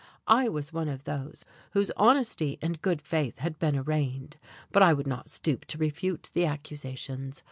I was one of those whose honesty and good faith had been arraigned, but I would not stoop to refute the accusations.